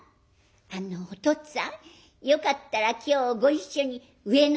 「あのおとっつぁんよかったら今日ご一緒に上野へ参りませんか。